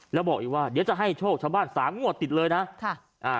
แล้วบอกอีกว่าเดี๋ยวจะให้โชคชาวบ้านสามงวดติดเลยนะค่ะอ่า